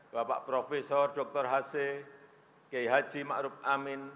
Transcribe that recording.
bapak profesor dr haseh g haji ma ruf amin